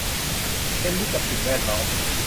เป็นมิตรกับสิ่งแวดล้อม